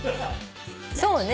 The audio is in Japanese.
そうね。